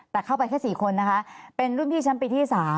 แต่เข้าไปแค่๔คนนะคะเป็นรุ่นพี่ชั้นปีที่๓